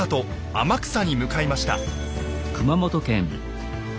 天草に向かいました。